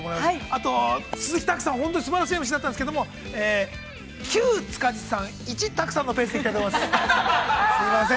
あと、鈴木拓さん、本当にすばらしいＭＣだったんですけれども、９塚地さん、１拓さんのペースでいきたいと思います。